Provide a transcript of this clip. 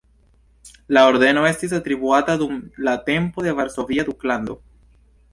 La ordeno estis atribuata dum la tempo de Varsovia Duklando.